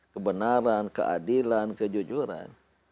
kebenaran keadilan kejujuran